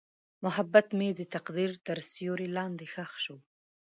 محبت مې د تقدیر تر سیوري لاندې ښخ شو.